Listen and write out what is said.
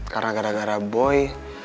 karena gara gara boy